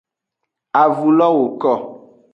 Avulo woko.